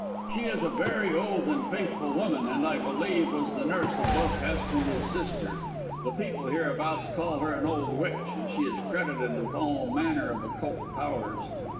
She is a very old and faithful woman, and I believe was the nurse of both Hest and his sister. The people hereabouts call her an old witch, and she is credited with all manner of occult powers."